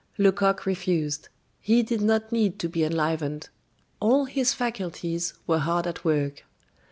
Lecoq refused; he did not need to be enlivened. All his faculties were hard at work.